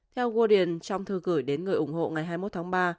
theo goden trong thư gửi đến người ủng hộ ngày hai mươi một tháng ba